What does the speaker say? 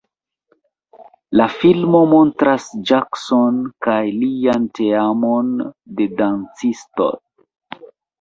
La filmo montras Jackson kaj lian teamon de dancistoj.